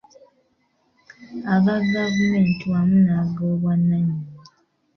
Aga gavumenti wamu n’agobwannannyini.